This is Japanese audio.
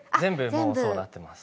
全部そうなってます。